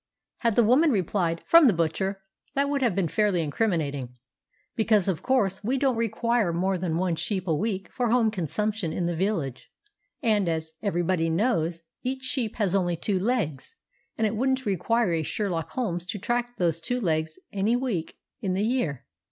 Had the woman replied, "From the butcher," that would have been fairly incriminating, because, of course, we don't require more than one sheep a week for home consumption in the village, and, as everybody knows, each sheep has only two legs, and it wouldn't require a Sherlock Holmes to track those two legs any week in the year.